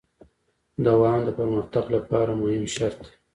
دوام د پرمختګ لپاره مهم شرط دی.